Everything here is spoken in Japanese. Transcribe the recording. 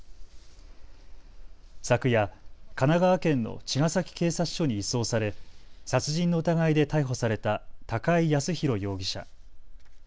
昨夜、神奈川県の茅ヶ崎警察署に移送され、殺人の疑いで逮捕された高井靖弘容疑者。